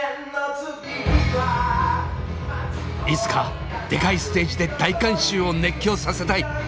いつかでかいステージで大観衆を熱狂させたい。